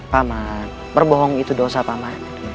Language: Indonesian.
paman berbohong itu dosa paman